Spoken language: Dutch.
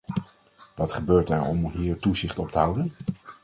Wat gebeurt er om hier toezicht op te houden?